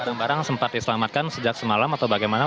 barang barang sempat diselamatkan sejak semalam atau bagaimana